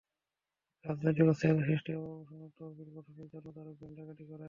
রাজনৈতিক অস্থিরতা সৃষ্টি এবং সংগঠনের তহবিল গঠনের জন্য তারা ব্যাংকে ডাকাতি করে।